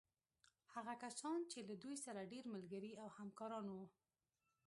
هغه کسان چې له دوی سره ډېر ملګري او همکاران وو.